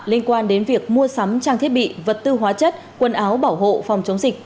liên quan đến việc mua sắm trang thiết bị vật tư hóa chất quần áo bảo hộ phòng chống dịch